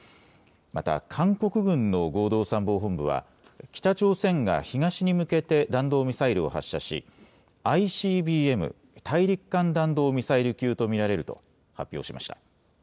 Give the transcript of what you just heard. また、韓国軍の合同参謀本部は北朝鮮が東に向けて弾道ミサイルを発射しＩＣＢＭ・大陸間弾道ミサイル級と見られると発表しました。